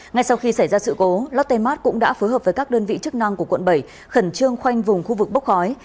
ngay sau khi xảy ra sự cố lotte mart cũng đã phối hợp với các đơn vị chức năng của quận bảy khẩn trương khoanh vùng khu vực bốc khói